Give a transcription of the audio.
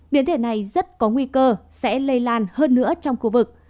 biến thể này rất có nguy cơ sẽ lây lan hơn nữa trong khu vực